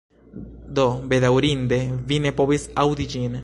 Do, bedaŭrinde vi ne povis aŭdi ĝin